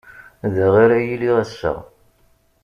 Da ara iliɣ ass-a.